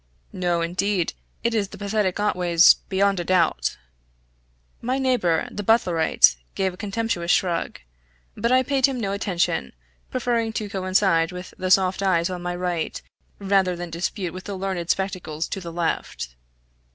"No, indeed, it is the pathetic Otway's, beyond a doubt!" My neighbor, the Butlerite, gave a contemptuous shrug, but I paid him no attention, preferring to coincide with the soft eyes on my right, rather than dispute with the learned spectacles to the left.